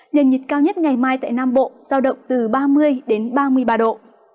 nhân nhiệt cao nhất ngày mai tại nam bộ giao động từ ba mươi ba mươi ba độ